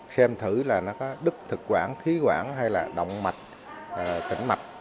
xem thử là nó có đức thực quản khí quản hay là động mạch tỉnh mạch